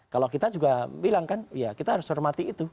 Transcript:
kalau kita juga bilang kan ya kita harus hormati itu